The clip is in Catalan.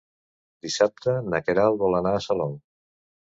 Dissabte na Queralt vol anar a Salou.